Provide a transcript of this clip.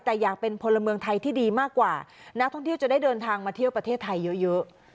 แต่อยากเป็นพลเมืองไทยที่ดีมากกว่านักท่องเที่ยวจะได้เดินทางมาเที่ยวประเทศไทยเยอะเยอะ